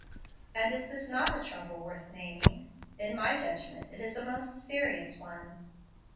"And is this not a 'trouble worth naming'? In my judgment it is a most serious one."